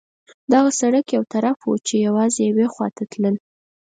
دغه سړک یو طرفه وو، چې یوازې یوې خوا ته تلل.